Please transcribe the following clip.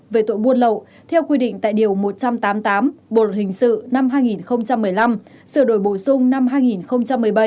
về tội buôn lậu theo quy định tại điều một trăm tám mươi tám bộ luật hình sự năm hai nghìn một mươi năm sửa đổi bổ sung năm hai nghìn một mươi bảy